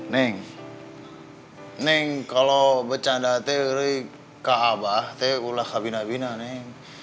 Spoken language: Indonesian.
neng neng kalau bercanda teh oleh ke abah teh ulah kabina bina neng